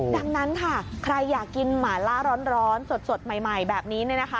ดังนั้นค่ะใครอยากกินหมาล่าร้อนสดใหม่แบบนี้